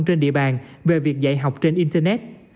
trên địa bàn về việc dạy học trên internet